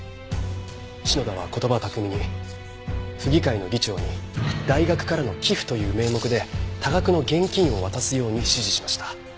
篠田は言葉巧みに府議会の議長に大学からの寄付という名目で多額の現金を渡すように指示しました。